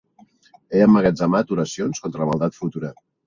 He emmagatzemat oracions contra la maldat futura.